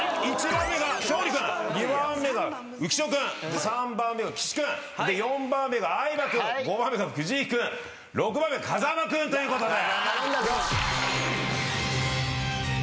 １番目が勝利君２番目が浮所君３番目が岸君４番目が相葉君５番目が藤井君６番目風間君ということで。